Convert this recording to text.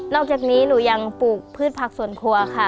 อกจากนี้หนูยังปลูกพืชผักส่วนครัวค่ะ